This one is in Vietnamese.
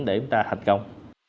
để chúng ta thành công